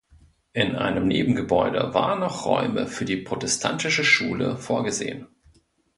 In einem Nebengebäude waren auch Räume für die protestantische Schule vorgesehen.